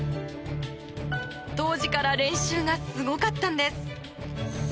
当時から練習がすごかったんです。